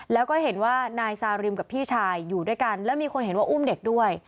แล้วก็เห็นว่านายซาริมกับพี่ชายอยู่ด้วยกันแล้วมีคนเห็นว่าอุ้มเด็กด้วย